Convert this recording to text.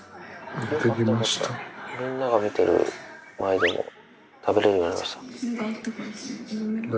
みんなが見てる前でも食べれるようになりました。